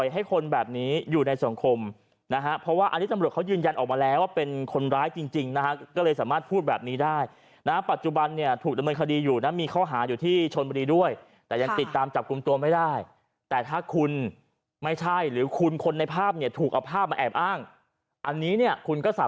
ให้คนแบบนี้อยู่ในสังคมนะฮะเพราะว่าอันนี้ตำรวจเขายืนยันออกมาแล้วว่าเป็นคนร้ายจริงนะฮะก็เลยสามารถพูดแบบนี้ได้นะปัจจุบันเนี่ยถูกดำเนินคดีอยู่นะมีข้อหาอยู่ที่ชนบุรีด้วยแต่ยังติดตามจับกลุ่มตัวไม่ได้แต่ถ้าคุณไม่ใช่หรือคุณคนในภาพเนี่ยถูกเอาภาพมาแอบอ้างอันนี้เนี่ยคุณก็ส